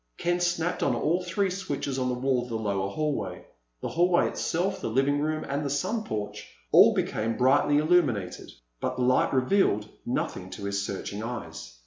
Ken snapped on all three switches on the wall of the lower hallway. The hallway itself, the living room, and the sun porch all became brightly illuminated. But the light revealed nothing to his searching eyes.